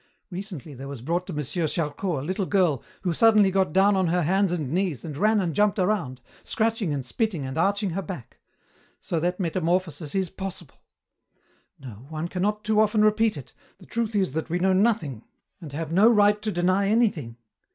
Recently there was brought to M. Charcot a little girl who suddenly got down on her hands and knees and ran and jumped around, scratching and spitting and arching her back. So that metamorphosis is possible. No, one cannot too often repeat it, the truth is that we know nothing and have no right to deny anything.